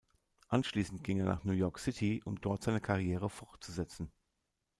Anschließend ging er nach New York City, um dort seine Karriere fortzusetzen.